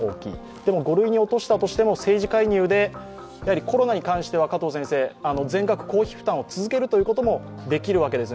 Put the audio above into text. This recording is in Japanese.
でも、五類に落としてたとしても政治介入でコロナに関しては、全額公費負担を続けることもできるわけですね。